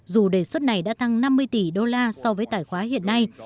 dù đề xuất này đã tăng năm mươi tỷ usd so với tài khoá hiện nay